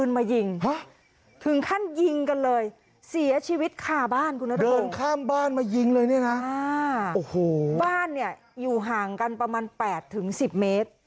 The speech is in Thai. บ้านเนี่ยอยู่ห่างกันประมาณ๘๑๐เมตร